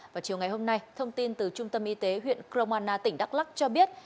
vào chiều ngày hôm nay thông tin từ trung tâm y tế huyện kromana tỉnh đắk lắc cho biết